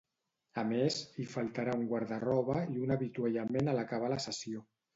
A més, hi faltarà un guarda-roba i un avituallament a l'acabar la sessió.